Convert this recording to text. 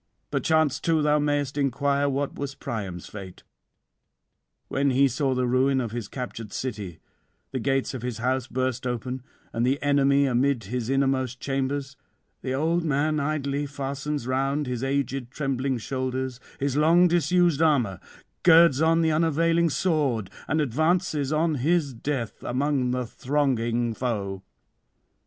'Perchance too thou mayest inquire what was Priam's fate. When he saw the ruin of his captured city, the gates of his house burst open, and the enemy amid his innermost chambers, the old man idly fastens round his aged trembling shoulders his long disused armour, girds on the unavailing sword, and advances on his death among the thronging foe.